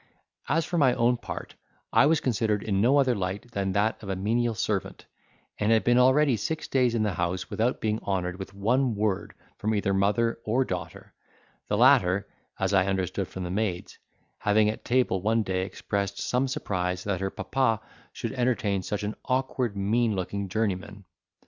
As for my own part, I was considered in no other light than that of a menial servant, and had been already six days in the house without being honoured with one word from either mother or daughter; the latter (as I understood from the maids) having at table one day expressed some surprise that her papa should entertain such an awkward mean looking journeyman.